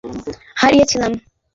আমরা সেদিন ওরসনকে হারিয়েছিলাম।